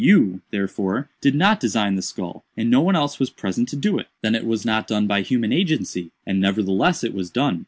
You, therefore, did not design the skull, and no one else was present to do it. Then it was not done by human agency. And nevertheless it was done.